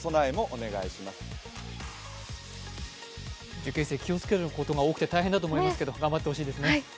受験生、気を付けることが多くて大変だと思いますが頑張ってほしいですね。